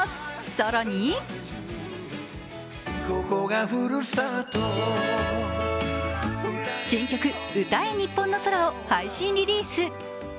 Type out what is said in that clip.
更に新曲「歌えニッポンの空」を配信リリース。